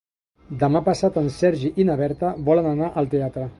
Demà passat en Sergi i na Berta volen anar al teatre.